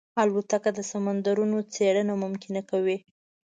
الوتکه د سمندرونو څېړنه ممکنه کوي.